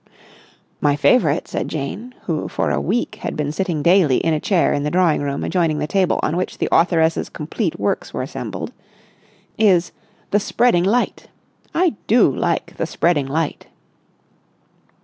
"My favourite," said Jane, who for a week had been sitting daily in a chair in the drawing room adjoining the table on which the authoress's complete works were assembled, "is 'The Spreading Light.' I do like 'The Spreading Light!